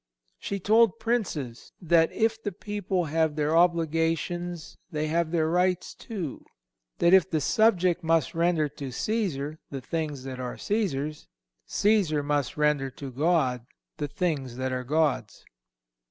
She told princes that if the people have their obligations they have their rights, too; that if the subject must render to Cæsar the things that are Cæsar's, Cæsar must render to God the things that art God's.